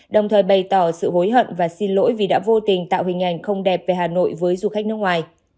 đồng thời bày tỏ sự hối hận và xin lỗi vì đã vô tình tạo hình ảnh không đẹp về hà nội với du khách nước ngoài